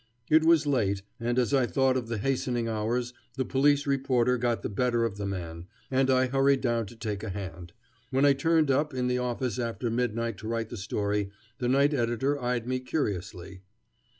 It was late, and as I thought of the hastening hours, the police reporter got the better of the man, and I hurried down to take a hand. When I turned up in the office after midnight to write the story, the night editor eyed me curiously.